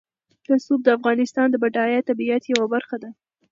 رسوب د افغانستان د بډایه طبیعت یوه برخه ده.